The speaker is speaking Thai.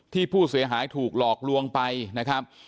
ที่ผู้เสียหายถูกหลอกลวงไปนะครับ